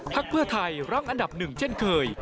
เพื่อไทยรั้งอันดับหนึ่งเช่นเคย